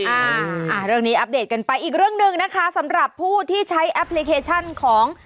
อ่าอ่าเรื่องนี้อัปเดตกันไปอีกเรื่องหนึ่งนะคะสำหรับผู้ที่ใช้แอปพลิเคชันของ